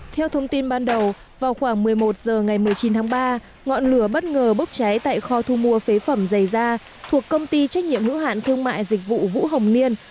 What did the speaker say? theo thông tin ban đầu vào khoảng một mươi một h ngày một mươi chín tháng ba ngọn lửa bất ngờ bốc cháy tại kho thu mua phế phẩm dày da thuộc công ty trách nhiệm hữu hạn thương mại dịch vụ vũ hồng niên